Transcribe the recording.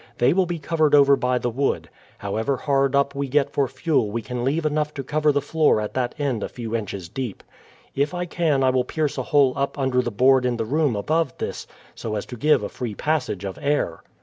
They will be covered over by the wood. However hard up we get for fuel we can leave enough to cover the floor at that end a few inches deep. If I can I will pierce a hole up under the board in the room above this, so as to give a free passage of air."